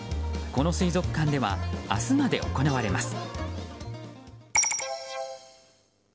この水族館では明日まで行われます。